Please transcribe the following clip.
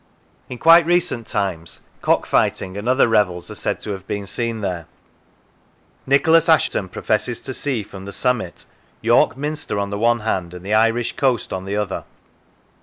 In quite recent times cock fighting and other revels are said to have been seen there. Nicholas Assheton professes to see from 211 Lancashire the summit York Minster on the one hand, and the Irish coast on the other.